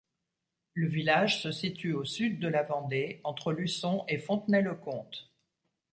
Le village se situe au sud de la Vendée, entre Luçon et Fontenay-le-Comte.